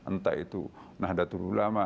entah itu nahdlatul ulama